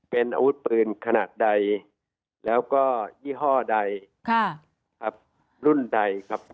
เป็นอาวุธปืนขนาดใดแล้วก็ยี่ห้อใดรุ่นใดครับ